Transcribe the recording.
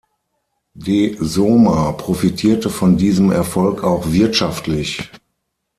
De Somer profitierte von diesem Erfolg auch wirtschaftlich.